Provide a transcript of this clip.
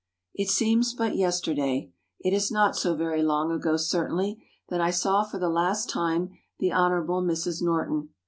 ] "It seems but yesterday it is not so very long ago certainly that I saw for the last time the Hon. Mrs. Norton.